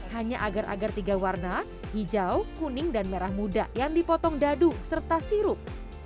hanya agar agar tiga warna hijau kuning dan merah muda yang dipotong dadu serta sirup